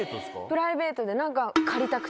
プライベートで何か。